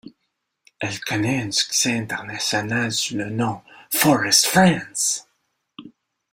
Elle connaît un succès international sous le nom Forest Friends.